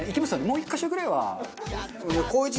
もう１カ所ぐらいは。